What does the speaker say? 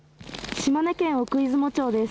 島根県奥出雲町です。